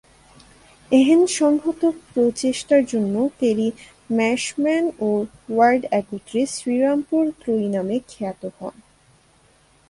এহেন সংহত প্রচেষ্টার জন্য কেরি, মার্শম্যান ও ওয়ার্ড একত্রে শ্রীরামপুর ত্রয়ী নামে খ্যাত হন।